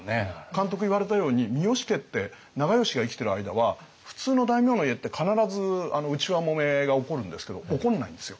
監督言われたように三好家って長慶が生きてる間は普通の大名の家って必ず内輪もめが起こるんですけど起こんないんですよ。